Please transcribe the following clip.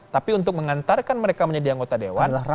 tapi untuk mengantarkan mereka menjadi anggota dewan